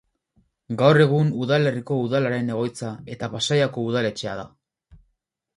Gaur egun udalerriko udalaren egoitza eta Pasaiako udaletxea da.